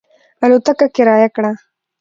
الوتکه کرایه کړه.